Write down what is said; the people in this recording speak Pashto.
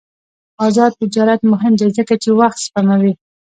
آزاد تجارت مهم دی ځکه چې وخت سپموي.